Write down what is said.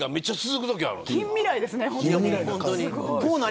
近未来ですね。